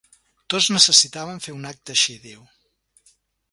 Tots necessitàvem fer un acte així, diu.